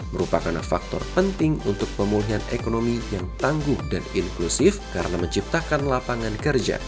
merupakan faktor penting untuk pemulihan ekonomi yang tangguh dan inklusif karena menciptakan lapangan kerja